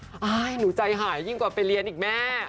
หนูใจหายยิ่งกว่าไปเรียนอีกแม่